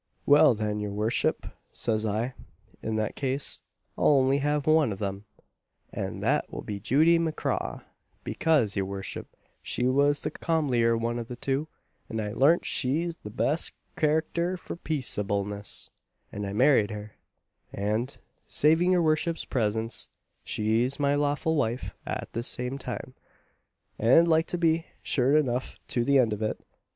Well, then, your wortchip, says I, in that case I'll ounly have one of 'em, and that will be Judy M'Craw; bekase, your wortchip, she was the comlier one of the two, and I larnt she'd the best carackter for peaceableness; and I married her; and, saving your wortchip's presence, she's my lawful wife at this same time, and like to be, sure enough, to the end of it.